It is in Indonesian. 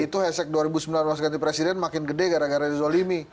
itu hesek dua ribu sembilan belas mas ganti presiden makin gede gara gara di zolimi